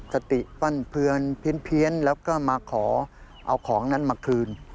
สติปั้นเพือนเพี้ยนแล้วก็มาขอเอาของนั้นมาคืน